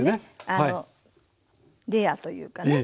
あのレアというかね。